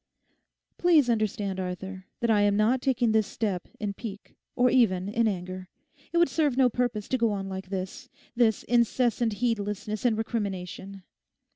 'Please understand, Arthur, that I am not taking this step in pique, or even in anger. It would serve no purpose to go on like this—this incessant heedlessness and recrimination.